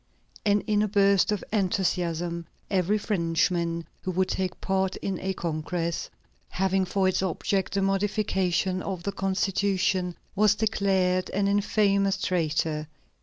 And in a burst of enthusiasm, every Frenchman who would take part in a congress having for its object the modification of the Constitution, was declared an infamous traitor.